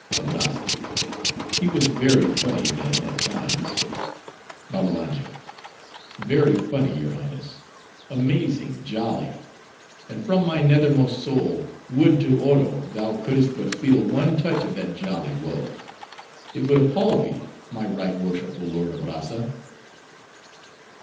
ABRAZZA—He was very funny, then, at times. BABBALANJA—Very funny, your Highness:—amazing jolly! And from my nethermost soul, would to Oro, thou could'st but feel one touch of that jolly woe! It would appall thee, my Right Worshipful lord Abrazza!